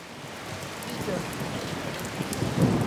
بیکە!